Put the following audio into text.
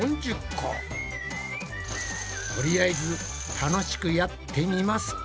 とりあえず楽しくやってみますか。